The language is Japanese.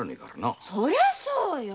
そりゃそうよ。